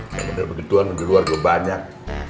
kalau begituan keluar gue banyak